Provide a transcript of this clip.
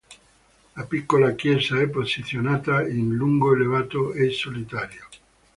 La piccola chiesa è posizionata in luogo elevato e solitario.